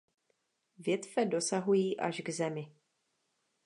Větve dosahují až k zemi.